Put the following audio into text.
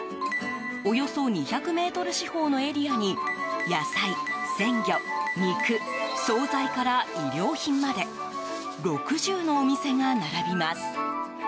およそ２００ｍ四方のエリアに野菜、鮮魚、肉、総菜から衣料品まで６０のお店が並びます。